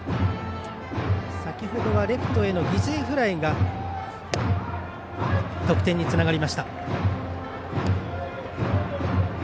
先ほどはレフトへの犠牲フライが得点につながりました。